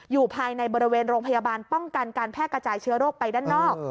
อยู่ภายในบริเวณโรงพยาบาลป้องกันการแพร่กระจายเชื้อโรคไปด้านนอก